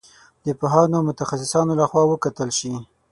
د پوهانو او متخصصانو له خوا وکتل شي.